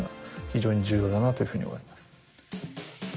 非常に重要だなというふうに思います。